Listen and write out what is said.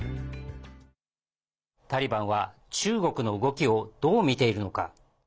タリバンは中国の動きをどう見ているのか。